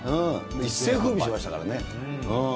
一世をふうびしましたからね。